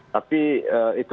tapi itu memungkinkan